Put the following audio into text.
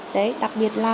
đấy đặc biệt là